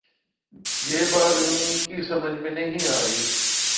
یہ بات ان کی سمجھ میں نہیں آ رہی۔